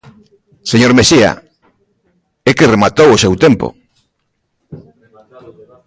Señor Mexía, é que rematou o seu tempo.